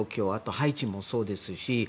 ハイチもそうですし。